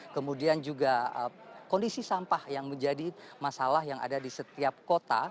kemudian juga kondisi sampah yang menjadi masalah yang ada di setiap kota